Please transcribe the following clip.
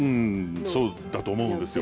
そうだと思うんですよ。